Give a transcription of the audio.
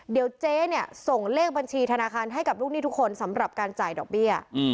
เดี๋ยวเจ๊เนี่ยส่งเลขบัญชีธนาคารให้กับลูกหนี้ทุกคนสำหรับการจ่ายดอกเบี้ย